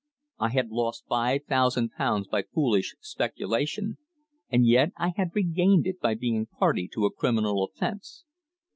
I had lost five thousand pounds by foolish speculation, and yet I had regained it by being party to a criminal offence.